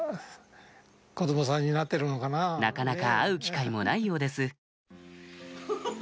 なかなか会う機会もないようですハハハ。